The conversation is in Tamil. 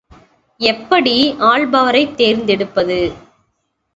எப்படி ஆள்பவரைத் தேர்ந்தெடுப்பது?